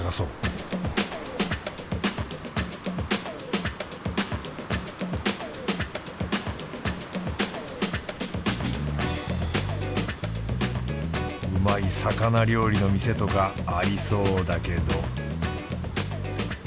うまい魚料理の店とかありそうだけど